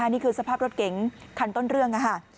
นี่คือสภาพรถเก๋งคันต้นเรื่อง